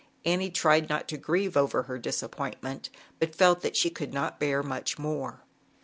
Annie tried not to grieve over her disappointment, but felt that she could not bear much more.